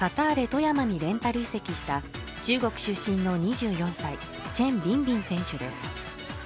富山にレンタル移籍した中国出身の２４歳チェン・ビンビン選手です